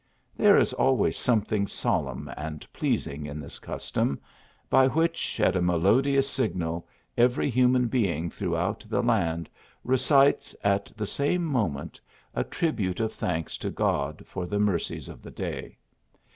There is always something solemn and pleasing in this custom ; by which, at a melodious signal, every human being throughout the land, re cites, at the same .moment, a tribute of thanks to God for the mercies of the clay.